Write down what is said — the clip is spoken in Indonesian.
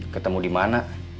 ketemu di mana